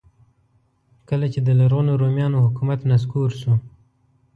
کله چې د لرغونو رومیانو حکومت نسکور شو.